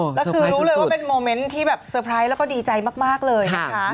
แล้วคือรู้เลยว่าเป็นโมเม้นท์ที่แบบแล้วก็ดีใจมากมากเลยนะคะ